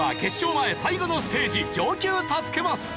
前最後のステージ上級助けマス。